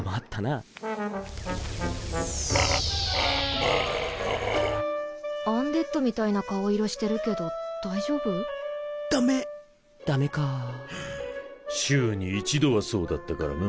あぁあぁあぁアンデッドみたいな顔色してるけど大丈夫週に１度はそうだったからな。